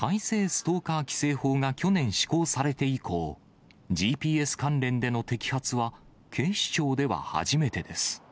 ストーカー規制法が去年施行されて以降、ＧＰＳ関連での摘発は、警視庁では初めてです。